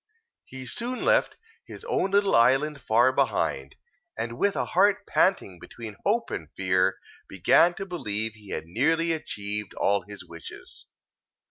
He soon left his own little island far behind, and with a heart panting between hope and fear, began to believe he had nearly achieved all his wishes.